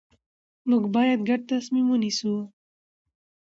موږ باید ګډ تصمیم ونیسو